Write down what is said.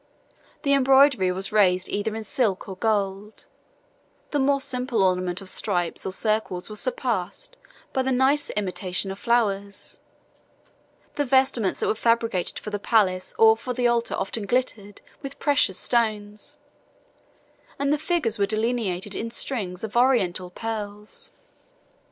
The embroidery was raised either in silk or gold: the more simple ornament of stripes or circles was surpassed by the nicer imitation of flowers: the vestments that were fabricated for the palace or the altar often glittered with precious stones; and the figures were delineated in strings of Oriental pearls.